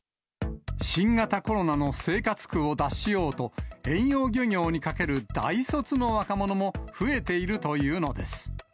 新型コロナの生活苦を脱しようと、遠洋漁業にかける大卒の若者も増えているというのです。